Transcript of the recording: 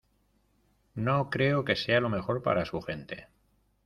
no creo que sea lo mejor para su gente.